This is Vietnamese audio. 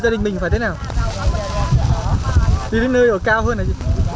đi đến nơi ở cao hơn là gì